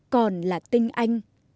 còn là tinh anh